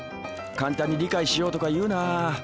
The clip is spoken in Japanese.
簡単に理解しようとか言うな。